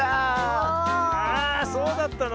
あそうだったの？